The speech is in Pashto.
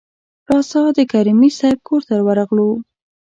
راسآ د کریمي صیب کورته ورغلو.